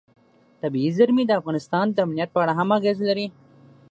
طبیعي زیرمې د افغانستان د امنیت په اړه هم اغېز لري.